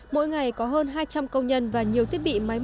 mỗi ngày có hơn hai trăm linh công nhân và nhiều thiết bị máy móc